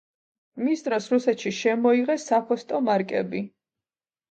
მის დროს რუსეთში შემოიღეს საფოსტო მარკები.